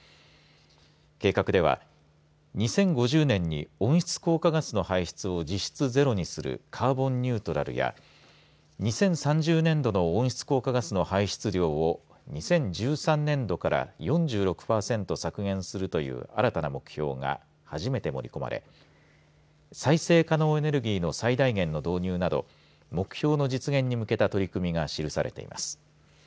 計画では２０５０年に温室効果ガスの排出を実質ゼロにするカーボンニュートラルや２０３０年度の温室効果ガスの排出量を２０１３年度から４６パーセント削減するという新たな目標が初めて盛り込まれ再生可能エネルギーの最大限の導入など目標の実現に向けた取り組みが記されています。